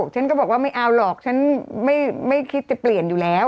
ฉันก็บอกว่าไม่เอาหรอกฉันไม่คิดจะเปลี่ยนอยู่แล้ว